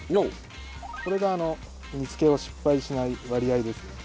これが煮つけを失敗しない割合ですね。